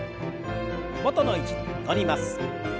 元の位置に戻ります。